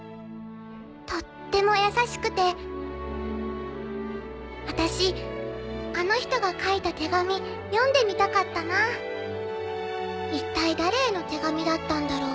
とっても優しくて私あの人が書いた手紙読んでみたかったなぁ一体誰への手紙だったんだろう？